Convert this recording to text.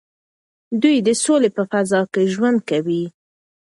دوی د سولې په فضا کې ژوند کوي.